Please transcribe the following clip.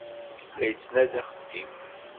La yettnadi axeddim.